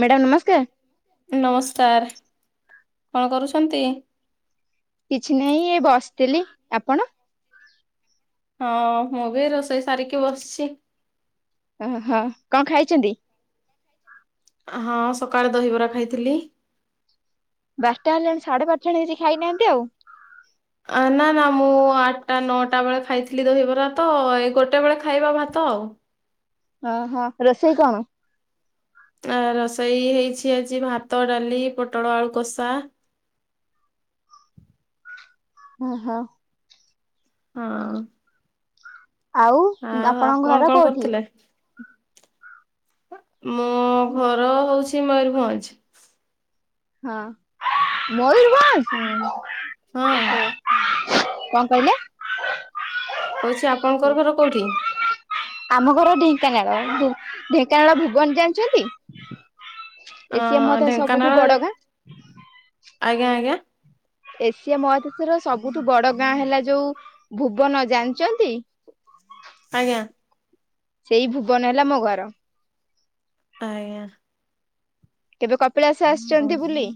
Madam ନମସ୍କାର ନମସ୍କାର। କଣ କରୁଛନ୍ତି? କିଛି ନାହିଁ ଏଇ ବସିଥିଲି, ଆପଣ? ହଁ ମୁଁ ବି ରୋଷେଇ ସାରିକି ବସଚି। ଓ ହୋ କଣ ଖାଇଚନ୍ତି? ହଁ ସକାଳେ ଦହିବରା ଖାଇଥିଲି। ବାରଟା ହେଲାଣି ସାଢେ ବାରଟା ହେଲାଣି କିଛି ଖାଇନାହାନ୍ତି ଆଉ? ନା ନା ମୁଁ ଆଟା ନଅଟା ବେଳେ ଖାଇଥିଲି ଦହିବରା ତ, ଏଇ ଗୋଟେ ବେଳେ ଖାଇବା ଭାତ। ଆଉ। ଓ ହଁ ରୋଷେଇ କଣ? ଆ ରୋଷେଇ ହେଇଛି ଆଜି ଭାତ, ଡାଲି, ପୋଟଳ ଆଳୁ କଷା [inaudible] ଓ ହୋ। ହଁ। ଆଉ ଆଉ ଆପଣଙ୍କ ଆପଣ ଘର କଣ କୋଉଠି? କରୁଥିଲେ? ହୁଁ। ଏ ମୟୂରଭଞ୍ଜ। ହଁ। ମୟୂରଭଞ୍ଜ ହଁ- ହଁ। କଣ କହିଲେ? କଉଛି ଆପଣଙ୍କର ଘର କୋଉଠି? ଆମ ଘର ଢେଙ୍କାନାଳ, ଢେଙ୍କାନାଳ ଭୁବନ ଜାଣିଛନ୍ତି? ଅ ଏସିଆ ମହାଦେଶ ଢେଙ୍କାନାଳ ସବୁଠୁ ବଡ ଗାଁ। ଆଜ୍ଞା ଆଜ୍ଞା। ଏସିଆ ମହାଦେଶର ସବୁଠୁ ବଡ ଗାଁ ହେଲା, ଯୋଉ ଭୁବନ ଜାଣିଚନ୍ତି? [inaudible] ଆଜ୍ଞା। ସେଇ ଭୁବନ ହେଲା ମୋ ଘର। ଆଜ୍ଞା। କେବେ କପିଳାସ ଆସିଚନ୍ତି ବୁଲି?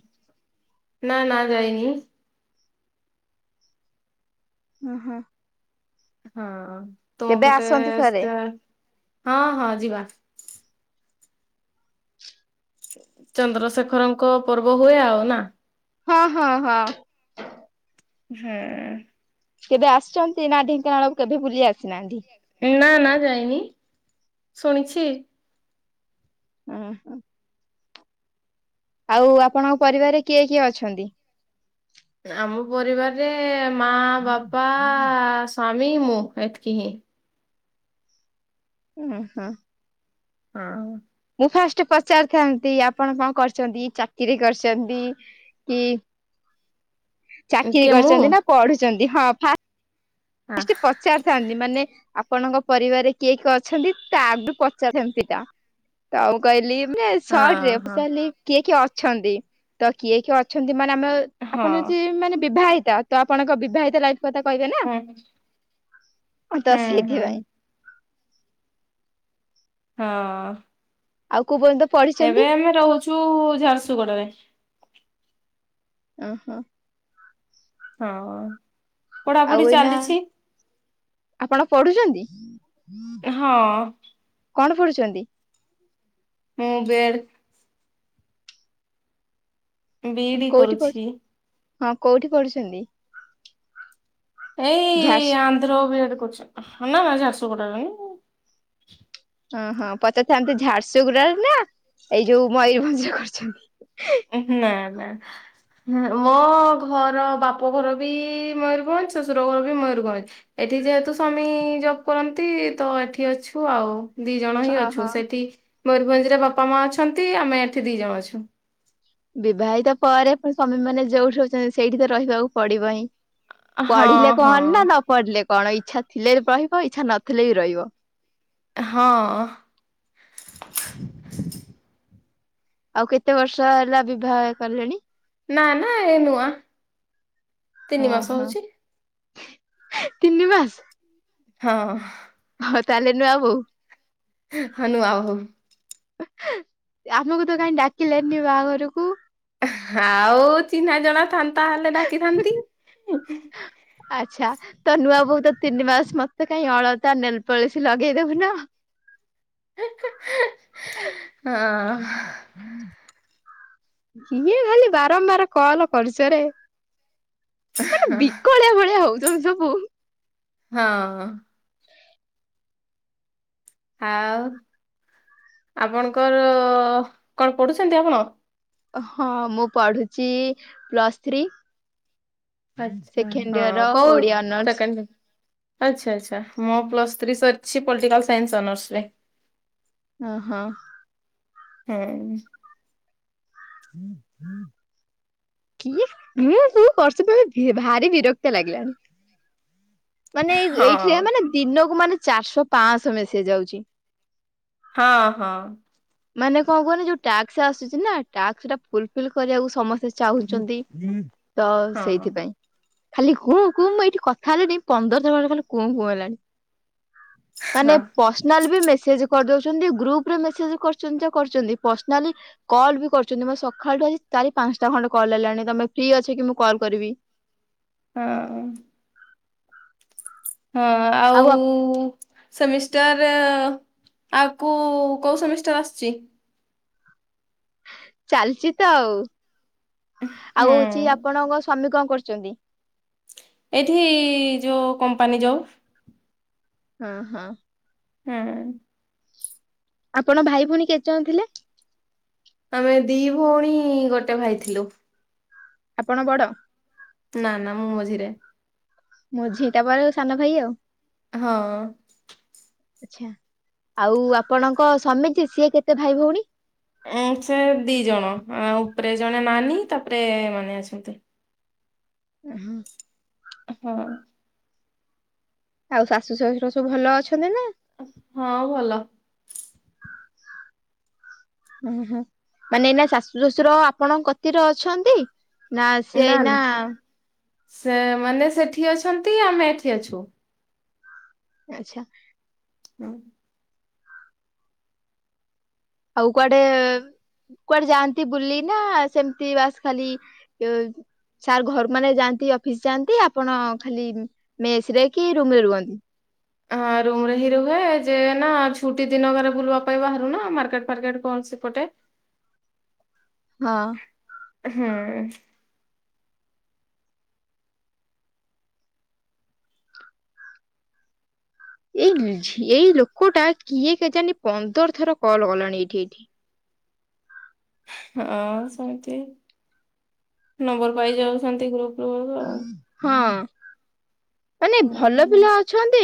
ନା ନା ଯାଇନି। ହଁ - ହଁ। ହଁ ତୁମ ପଟେ ଥରେ [unintelligible] ହଁ- ହଁ ଯିବା। ଚନ୍ଦ୍ରଶେଖରଙ୍କ ପର୍ବ ହୁଏ ଆଉ ନା। ହଁ -ହଁ - ହଁ। ହୁଁ। କେବେ ଆସିଚନ୍ତି? ନା ଢେଙ୍କାନାଳକୁ କେବେ ବୁଲି ଆସିନାହାନ୍ତି? ନା ନା ଯାଇନି, ଶୁଣିଛି ଓ, ହୋ ଆଉ, ଆପଣଙ୍କ ପରିବାରରେ କିଏ କିଏ ଅଛନ୍ତି? ଆମ ପରିବାରରେ ମା, ବାପା ସ୍ୱାମୀ, ମୁଁ, ଏତକି ହିଁ ଓ, ହୋ ହଁ। ମୁଁ ଫାଷ୍ଟ ପଚାରିଥାନ୍ତି ଆପଣ କଣ କରିଚନ୍ତି? ଚାକିରି କରିଚନ୍ତି? କି? ଚାକିରି କିଏ ମୁଁ କରୁଛନ୍ତି ନା, ପଢୁଛନ୍ତି? ହଁ ହଁ ବେ [unintelligible] ପଚାରିଥାନ୍ତି ମାନେ ଆପଣଙ୍କ ପରିବାରରେ କିଏ କି ଅଛନ୍ତି? ତା ଆଗ ପଚା [unintelligible] ସେମିତିଟା ତ ଆଉ କହିଲି ରେ ହଁ। କିଏ କିଏ ଅଛନ୍ତି? ତ କିଏ କିଏ ଅଛନ୍ତି ମେ ଆମ ହଁ ଆପଣ ହଉଛି ମାନେ ବିବାହିତ, ତ ଆପଣଙ୍କ ବିବାହିତ ଲାଇଫ କଥା କହିବେ ନା ହୁଁ ହ ତ ହୁଁ ହୁଁ ସେଇଥିପାଇଁ ହଁ ଆଉ କୋଉ ପର୍ଯ୍ୟନ୍ତ ପଢିଛନ୍ତି? [unintelligible] ଝାରସୁଗୁଡା ରେ ଓ, ହୋ ହଁ, ଆଉ ପଢାପଢି ଏଇନା ଚାଲିଛି। ଆପଣ ପଢୁଛନ୍ତି? ହଁ କଣ ପଢୁଛନ୍ତି? ହୁଁ, ବେଡ [unintelligible] ବିଇ, ଡି, କୋଉଠି ପଢୁ କରୁଛି। ହଁ, କୋଉଠି ପଢୁଛନ୍ତି? ଏଇ ଝାରସୁ ଆନ୍ଧ୍ର ବିଡେ କରୁଛି, ନା [unintelligible] ନାସୁ କଟ ଓ ହଁ ପଚାରିଥାନ୍ତି, ଝାରସୁଗୁଡା ର ନା ଏଇ ଯୋଉ ମୟୂରଭଞ୍ଜ କରିୁଛନ୍ତି? ନା, ନା। ମୋ ଘର ବାପ ଘର ବି ମୟୂରଭଞ୍ଜ, ଶ୍ୱଶୁର ଘର ବି ମୟରଭଞ୍ଜ। ଏଠି ଯେହେତୁ ସ୍ୱାମୀ ଜବ୍ କରନ୍ତି ତ, ଏଠି ଅଛୁ ଆଉ ଦି ଜଣ ହିଁ ଅଛୁ, ଓହୋ। ସେଠି ମୟୂରଭଞ୍ଜରେ ବାପା ମା ଅଛନ୍ତି, ଆମେ ଏଠି ଦି ଜଣ ଅଛୁ। ବିବାହିତ ପରେ ପ ସ୍ୱାମୀ ମାନେ ଯୋଉଠି ରହୁଛନ୍ତି, ସେଇଠି ତ ରହିବାକୁ ପଡିବ ହିଁ ହଁ ପଢିଲେ ହଁ କହନ ନା, ନ ପଢିଲେ କ କଣ ଇଛା ଥିଲେ ରହିବ, ଇଚ୍ଛା ନଥିଲେ ବି ରହିବ। ହଁ। ଆଉ କେତେ ବର୍ଷ ହେଲା ବିବାହ କଲେଣି? ନା, ନା, ଏ ନୂଆ ତିନି ମାସ ଓହୋ ହଉଛି। ତିନି ମାସ! ହଁ। ହଁ, ତାହେଲେ ନୁଆ ବୋହୁ ହନୁ ଆହୋ ଆମକୁ ତ କାହିଁ ଡାକିଲେନି ବାହାଘରକୁ ଆଉ ଚିହ୍ନା ଜଣା ଥାନ୍ତାହଲେ ଡାକିଥାନ୍ତି। ଆଚ୍ଛା, ତ ନୂଆ ବୋଉ ତ ତିନି ମାସ ମତେ କାହିଁ ଅଳତା ନେଲ ପଳଶୀ ଲଗେଇଦଉ ନା? ହ ହଁ, ହଁ [unintelligible] କିିଏ ଖାଲି ବାରମ୍ବାର କଲ ପରିଚୟରେ ମାନେ ହଁ ବିକଳିଆ ଭଳିଆ ହଉଛନ୍ତି ସବୁ ହଁ ଆଉ ଆପଣଙ୍କର କଣ ପଢୁଛନ୍ତି? ଆପଣ ହଁ ମୁଁ ପଢୁଚି ପ୍ଲସ୍ ଥ୍ରୀ। ଆଛା ସେକେଣ୍ଡ ହଁ ଇୟର କୋଉ ଓଡିଆ ଅନର୍ସ ସେକେଣ୍ଡେନ୍? ଆଚ୍ଛା ଆଚ୍ଛା ମୁ ପ୍ଲସ୍ ଥ୍ରୀ ସରିଛି ପଲିଟିକାଲ ସାଇନ୍ସ ଅନର୍ସ ରେ। ହଁ ହଁ। ହୁଁ। କିଏ ସ ବର୍ଷଳେ ଭାରି ବିରକ୍ତ ଲାଗିଲାଣିି। ମାନେ ହଁ ଏଇଠି ମାନେ ଦିନକୁ ମାନେ ଚାରିଶହ ପାଞ୍ଚଶହ ମେସେଜ ଆଉଛି। ହଁ ହଁ ମାନେ କଣ କୁହନି ଯୋଉ ଟ୍ୟକ୍ ଆସୁଛିନା ଟ୍ୟସ ଟାକୁ ଫୁଲ ଫିଲ କରିବାକୁ ସମସ୍ତେ ଚାହୁଁଛନ୍ତି ହଁ ତ ହଁ। ସେଇଥିପାଇଁ। ଖାଲି ହୁଁ କୁ ମୁଁ ଏଇଠି କଥା ହେଲାଣି ପନ୍ଦର ଥର ଭଳି ଖାଲି କୁଁ କୁ ହେଲାଣି। ମାନେ ହଁ ପର୍ସନାଲ ବି ମେସେଜ କରିଦଉଛନ୍ତି ଗ୍ରୁପରେ ମେସେଜ କରିଛନ୍ତି କରିଛନ୍ତି ପର୍ସନାଲି କଲ ବି କରୁଛନ୍ତି ମତେ ସକାଳଠୁ ଆଜି ଚାରି ପାଞ୍ଚ ଟା ଖଣ୍ଡେ କଲ୍ ଆଇଲାଣି ତମେ ଫ୍ରି ଅଛ କି ମୁଁ କଲ୍ କରିବି? ହଁ। ହଁ ଆଉ ସେମିଷ୍ଟାର ଆଗକୁ କୋଉ ସେମିଷ୍ଟାର ଆସୁଛି? ଚାଲିଛି ତ ହୁଁ ଆଉ କରୁଛନ୍ତି? ଏଠି ଯୋଉ କମ୍ପାନୀ ଯୋଉ ହଁ ହଁ। ହୁଁ। ଆପଣ ଭାଇ ଭଉଣୀ କେତେ ଜଣ ଥିଲେ? ଆମେ ଦି ଭଉଣୀ ଗୋଟେ ଭାଇ ଥିଲୁ ଆପଣ ବଡ? ନା ନା ମୁଁ ମଝିରେ। ମଝି ତାପରେ ସାନ ଭାଇ ଆଉ। ହଁ। ଆଚ୍ଛା ଆଉ ଆପଣଙ୍କ ସ୍ବାମୀ ଯିଏ ସିଏ କେତେ ଭାଇ ଭଉଣୀ? ଉ ସେ ଦି ଜଣ ଉପରେ ଜଣେ ନାନୀ ତାପରେ ମାନେ ଅଛନ୍ତି। ଓ ହୋ। ହୁଁ। ଆଉ ଶାଶୁ ଶାଶୁର ସବୁ ଭଲ ଅଛନ୍ତି ନା? ହଁ ଭଲ। [inaudible] ଓ ହୁଁ ମାନେ ଏଇନା ଶାଶୁ ଶ୍ୱଶୁର ଆପଣ କତିରେ ଅଛନ୍ତି? ନା ସିଏ ଏଇନା ସେ ମାନେ ସେଠି ଅଛନ୍ତି ଆମେ ଏଠି ଆଚ୍ଛା। ହୁଁ। ଆଉ କୁଆଡେ କୁଆଡେ ଯାଆନ୍ତି ବୁଲି ନା ସେମତି ବାସ ଖାଲି ସାର୍ ଘର ମାନେ ଯାଆନ୍ତି ଅଫିସ ଯାଆନ୍ତି ଆପଣ ଖାଲି ମେସ ରେ କି ରୁମରେ ରୁହନ୍ତି? ହଁ [inaudible] ରୁମ ରେ ହିଁ ରୁହେ ଯେ ନା ଛୁଟି ଦିନରେ ବୁଲିବା ପାଇଁ ବାହାରୁ ନା ମାର୍କେଟ ଫାର୍କେଟ କଣ ସେପଟେ? [inaudible] ହଁ। ହୁଁ। ଏଇ ଏଇ ଲୋକଟା କିଏ କେଜାଣି ପନ୍ଦର ଥର କଲ କଲାଣି ଏଇଠି ଏଇଠି। ହଁ ସେମତି ନମ୍ବର ପାଇ ଯାଉଛନ୍ତି ଗ୍ରୁପ ରୁ ଆଉ। ହଁ। ମାନେ ଭଲ ହୁଁ। ପିଲା ଅଛନ୍ତି।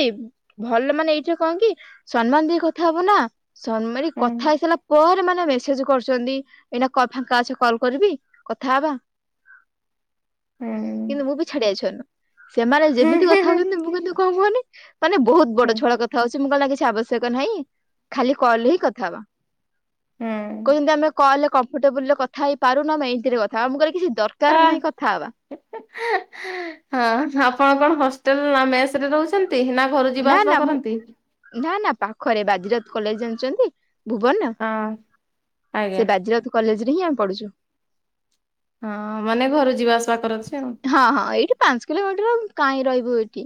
ଭଲ ମାନେ ଏଇଠା କଣ କି ସନ୍ମାନ ଦେଇ କଥା ହବ ନାଁ। ସନ୍ ମାନେ ହୁଁ କଥା ହେଇସାଇଲା ପରେ ମାନେ ନାଁ ମେସେଜ୍ କରୁଚନ୍ତି ଏଇନା କ ଫାଙ୍କା ଅଛ କଲ କରିବି କଥା ହବା? ହୁଁ କିନ୍ତୁ ମୁଁ ବି ଛାଡ଼ିଆ‌ ଛୁଆ ନୁହଁ। ସେମାନେ ହୁଁ ଯେମିତି ହୁଁ କଥା ହୁଁ ହଉଚନ୍ତି ମୁଁ କିନ୍ତୁ କଁ କୁହନି ମାନେ ବହୁତ ବଡ଼ ହୁଁ ଛୁଆ ଅଳା କଥା ହଉଚି ମୁଁ କଲ୍ ନାଁ କିଛି ଆବଶ୍ୟକ ନାହିଁ ଖାଲି କଲ୍ ହିଁ କଥା ହବା। ହୁଁ କହୁଚନ୍ତି ଆମେ କହଲେ କମ୍ଫର୍ଟେବୁଲ୍ ରେ କଥା ହେଇପାରୁନୁ ଆମେ ଏଇତିରେ କଥା ହଆ ମୁଁ କହିଲି କିଛି ଦରକାର ଆ ନାହିଁ କଥା ହବା ହଁ ଆପଣ କଣ ହସ୍ ଟେଲ୍ ନାଁ ମେସେରେ ରହୁଚନ୍ତି ନାଁ ଘରୁ ଯିବା ଆସିବା କରନ୍ତି? ହରେ ବାଜି ରାଉତ କଲେଜ ଜାଣିଚନ୍ତି ଭୁବନ? ହଁ ଆଜ୍ଞା ସେ ବାଜି ରାଉତ କଲେଜ ରେ ହିଁ ଆ ପଡୁଚୁ। ହଁ ମାନେ ଘରୁ ଯିବା ଆସିବା କରଚ ହଁ ହଁ ଏଇଠି ପାଞ୍ଚ କିଲୋମିଟର୍ ହବ କାଇଁ ରହିବୁ ଏଠି?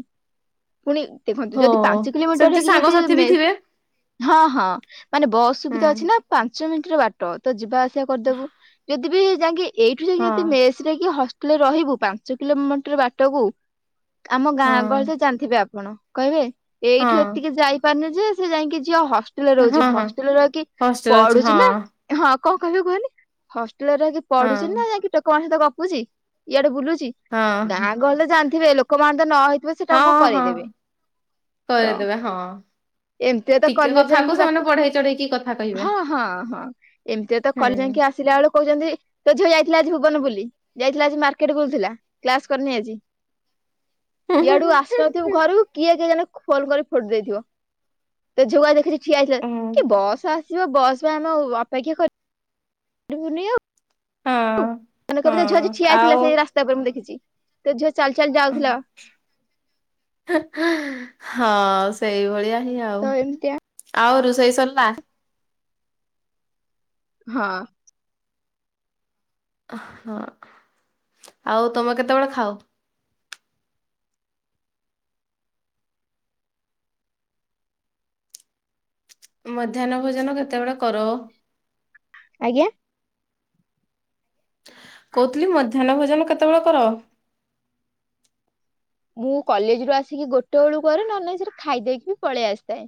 ପୁଣି ଦେଖନ୍ତୁ ହୋ ଯଦି ପାଞ୍ଚ କିଲୋମିଟର୍ ସେମିତି ହେଇକି ଯଦି ସାଙ୍ଗସାଥି ବି ମେ ଥିବେ ହଁ ହଁ ମାନେ ବସ୍ ହୁଁ ସୁବିଧା ଅଛି ନାଁ ପାଞ୍ଚ ମି ଟିର ବାଟ ତ ଯିବା ଆସିବା କରିଦେବୁ ଯଦି ବି ଯାଇଁକି ଏଇଠୁ ଯେ ହଁ ଯଦି ମେସ୍ ରେ କି ହଷ୍ ଟେଲେ ରହିବୁ ପାଞ୍ଚ କିଲୋମିଟର୍ ବାଟକୁ ଆମ ହଁ। ଗାଁ ଗଳିରେ ଇବେ ଆପଣ କହିବେ ହଁ ଏଇଠୁ ଏତିକି ଯାଇପାରନି ଯେ ସେ ଯାଇଁକି ଝିଅ ହ ଷ୍ଟେଲରେ ରଉଚି ହଁ ହଁ ହଷ୍ଟେଲରେ ରହିକି ହଷ୍ଟେଲ ଅଛି ପଢୁ଼ଚି ହଁ ନାଁ? ହଁ। କଁ କହିବେ କୁହନି ହଷ୍ଟେଲରେ ରହିକି ପଢ଼ୁଚି ହଁ। ନାଁ ଯାଇକି ଟୋକାମାନଙ୍କ ସହିତ ଗପୁଚି ଇଆଡ଼େ ବୁଲୁ ଚି ହଁ ଗାଁ ଗହଳିରେ ତ ଜାଣିଥିବେ ଲୋକମାନେ ତ ନ ହେଇଥିବ ସେଟାକୁ କରେଇଦେବେ। କରେଇଦେବେ ହଁ। ଏମତିରେ ତ ଟିକେ କଲେ କଥାକୁ ଯାଇଁକି ସେମାନେ ବାଟି ବଢେଇ ଚଢେଇକି କଥା କହିବେ ହଁ ହଁ ହଁ ଏମତିରେ ତ କଲ୍ ଯାଇଁକି ହୁଁ। କି ଆସିଲା ଅଳୁ କହୁଚନ୍ତି ତୋ ଝିଅ ଯାଇଥିଲା ଆଜି ଭୁବନ ବୁଲି ଯାଇଥିଲା ଆଜି ମାର୍କେଟ୍ ବୁଲୁଥିଲା କ୍ଲାସ କରନି ଆଜି। ହୁଁ ଇଆଡ଼ୁ ଆସିନଥିବୁ ଘରୁକୁ କିଏ ଏଚେ ଜାନେ ଖୋନ୍ କରି ଫୋଡ଼ି ଦେଇଥିବ ତୋ ଝିଅକୁ ଆଜି ଦେଖିଚି ଠିଆହେଇଥିଲା। ହଁ କି ବସ୍ ଆ ସିବ ବସ୍ ବି ଆମେ ଅପାକ୍ଷ କର୍ ରିବୁନି ଆଉ ଉ ମାନେ ହଁ କଇବେ ତୋ ଝିଅ ଆଜି ଠିଆ ହେଇଥିଲା ଆଉ ସେଇ ରାସ୍ତା ଓପରେ ମୁଁ ଦେଖିଚି। ତୋ ଝିଅ ଚାଲି ଚାଲି ଯାଉଥିଲା। ହଁ ସେଇ ଭଳିଆ ହିଁ ଆଉ। ତ ଏମିତିଆ ଆଉ ରୋଷେଇ ସରିଲା? ହଁ। ହଁ ଆଉ ତମେ କେତବେଳେ ଖାଅ? ମଧ୍ୟାହ୍ନ ଭୋଜନ କେତେବେଳେ କର? ଆଜ୍ଞା? କୋହୁଥିଲି ମଧ୍ୟାହ୍ନ ଭୋଜନ କେତେବେଳେ କର? ମୁଁ କଲେଜ୍ ରୁ ଆସିକି ଗୋଟେ ଅଳୁ କରେ ନହେନେ ନାହିଁ ସେଠୁ ଖାଇ ଦେଇକି ବି ପଳି ଆସଥାଏ।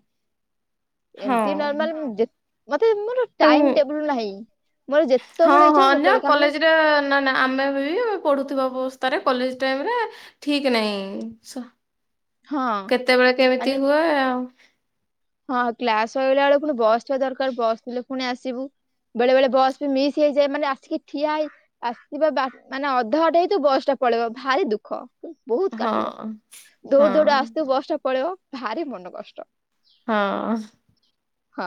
ହଁ ଏମତି ନର୍ମାଲ୍ ଯେ ମତେ ମୋର ଟାଇମ୍ ଟେବୁଲ୍ ନାହିଁ। ମୋର ହଁ ଯେତେବେଳେ ହଁ ଇଚ୍ଛା ମୁଁ ଅନ୍ୟ ସେତେବେଳେ ଖାଏ ମାନେ କଲେଜ୍ ରେ ନାଁ ନାଁ ଆମେ ବି ପଢ଼ୁଥିବା ଅବ ତାରେ କଲେଜ୍ ଟାଇମ୍ ରେ ଠିକ ନାହିଁ ସ ହଁ କେତେବେଳେ କେମିତି ମାନେ ହୁଏ ଆଉ। ହଁ କ୍ଲାସ୍ ସଇଲା ଅଳୁ ଫୁଣି ବସ୍ ଥିବା ଦରକାର ବସ୍ ଥିଲେ ଫୁଣି ଆସିବୁ। ବେଳେ ବେଳେ ବସ୍ ବି ମିସ୍ ହେଇଯାଏ ମାନେ ଆସିକି ଠିଆ ହେଇ ଆସିବା ବା ମାନେ ଅଧା ବାଟ ହେଇଥିବୁ ବସ୍ ଟା ପଳେଇବ ଭାରି ଦୁଃଖ। ବୋହୁତ ହଁ କାଟିବ ହଁ ଦୌଡ଼ି ଦୌଡ଼ି ଆସୁଥିବୁ ବସ୍ ଟା ପଳେଇବ ଭାରି ମନ କଷ୍ଟ। ହଁ। ହ।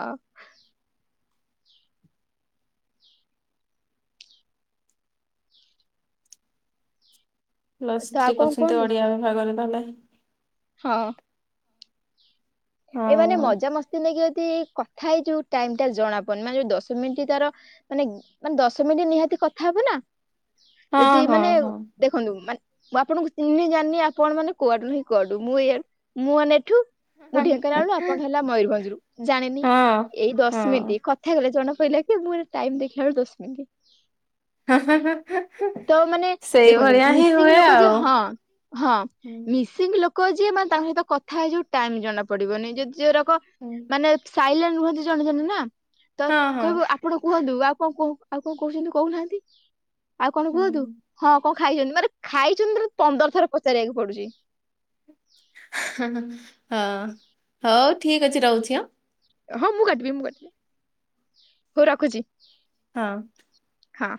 ପ୍ଲସ୍ ତ ଆଉ ଥ୍ରୀ କଣ କରୁଛନ୍ତି କୁହନ୍ତୁ ଓଡ଼ିଆ ବିଭାଗରେ ତାହଲେ। ହଁ। ହଉ ଏଇମାନେ ମଜା ମସ୍ତି ନେଇକି ତି କଥା ହେଇ ଯୋଉ ଟାଇମ୍ ଟା ଜଣା ପଡ଼୍! ମାନେ, ଯୋଉ ଦଶ ମିନ୍ଟି ତାର, ମାନେ ମାନେ ଦଶ ମିନିଟ୍ ନିହାତି କଥା ହବ ନା! ହଁ ଯଦି ହଁ ମାନେ ହଁ ଦେଖନ୍ତୁ, ମାନେ ମୁଁ, ଆପଣଙ୍କୁ ଚିହ୍ନି ଜାଣିନି। ଆପଣ ମାନେ କୁଆଡୁ ନାହିଁ କୁଆଡୁ। ମୁଁ ଏଇଆ, ମୁଁ ଆନେ ଏଠୁ। ମୁଁ, ଢେଙ୍କାନାଳରୁ ଆପଣ ହେଲା ମୟୂରଭଞ୍ଜରୁ। ଜାଣିନି! ଏଇ ହଁ ଦଶମିନିଟ କଥା ହେଇଗଲେ ଜଣେ କହିଲା କି ମୁଁ ଏଇ ଟାଇମ୍ ଦେଖିଲା ଅଳକୁ ଦଶମିନ୍ଟି। ହଁ ତ ମାନେ ଦେଖନ୍ତୁ, ସେଇଭଳିଆ ହିଁ ମିସିଂ ହୁଏ ଲୋକ ଯିଏ ଆଉ। ହଁ, ହଁ, ହୁଁ ମିସିଂ ଲୋ କ ଯିଏ ମାନେ ତାଙ୍କ ସହିତ କଥା ହେଇଯିବୁ, ଟାଇମ୍ ଜଣା ପଡିବନି। ଯଦି ଯୋଉରାକ ହୁଁ। ମାନେ ସାଇଲେଣ୍ ରୁହନ୍ତି! ଜଣେ ଜଣେ ନା ତ, ହଁ ହଁ। କହିବୁ ଆପଣ କୁହନ୍ତୁ, କଣ କୁହ? ଆଉ କଣ କହୁଛନ୍ତି କହୁନାହାଁନ୍ତି? ଆଉ କଣ ହୁଁ। କୁହନ୍ତୁ? ହଁ, କ ଖାଇଛନ୍ତି! ମାନେ ଖାଇଛନ୍ତି, ମାନେ ପନ୍ଦର ଥର ପଚାରିବାକୁ ପଡୁଛି। ହଁ ହ ହ ହଁ ହଉ ଠିକ୍ ଅଛି ରହୁଛି ଅଁ। ହଁ, ମୁଁ କାଟିବି! ମୁଁ କାଟିବି! ହଉ ରଖୁଛି। ହଁ। ହଁ।